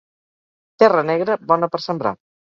Terra negra, bona per sembrar.